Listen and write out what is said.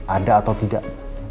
ada atau tidak